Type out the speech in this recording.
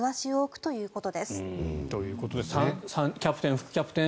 ということでキャプテン、副キャプテン